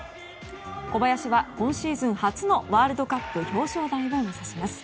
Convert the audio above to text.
小林は今シーズン初のワールドカップ表彰台を目指します。